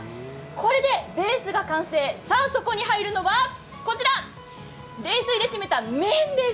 これでベースが完成、そこに入るのがこちら、こちら、冷水で締めた麺です。